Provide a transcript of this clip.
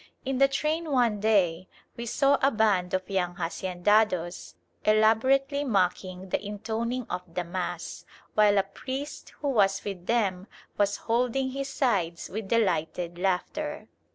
In the train one day we saw a band of young haciendados elaborately mocking the intoning of the Mass, while a priest who was with them was holding his sides with delighted laughter.